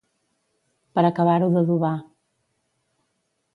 Per acabar-ho d'adobar.